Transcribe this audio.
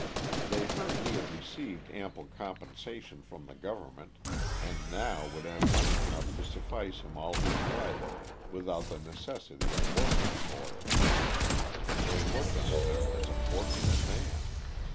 They heard he had received ample compensation from the Government, and now would have money enough to suffice him all his life, without the necessity of working for it, and they looked on him as a fortunate man.